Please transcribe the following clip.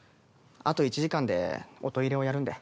あと１時間で音入れをやるんで。